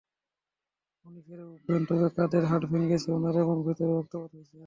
উনি সেরে উঠবেন, তবে কাঁধের হাড় ভেঙেছে উনার এবং ভেতরে রক্তপাতও হয়েছে!